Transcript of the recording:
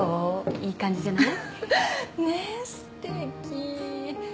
いい感じじゃない？